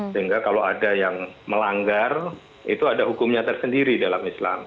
sehingga kalau ada yang melanggar itu ada hukumnya tersendiri dalam islam